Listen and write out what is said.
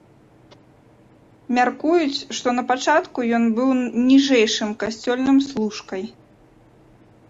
Мяркуюць, што напачатку ён быў ніжэйшым касцёльным служкай.